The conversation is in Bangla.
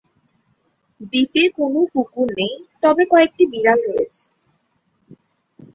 দ্বীপে কোনও কুকুর নেই তবে কয়েকটি বিড়াল রয়েছে।